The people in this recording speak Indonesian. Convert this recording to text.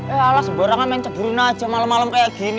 eh alas berangah main ceburin aja malem malem kayak gini